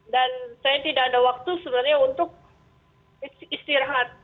dan saya tidak ada waktu sebenarnya untuk istirahat